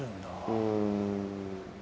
うん。